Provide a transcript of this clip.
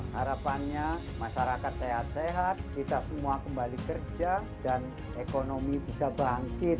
harapannya masyarakat sehat sehat kita semua kembali kerja dan ekonomi bisa bangkit